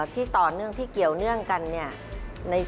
ที่ต่อเนื่องที่เกี่ยวเนื่องกันเนี่ย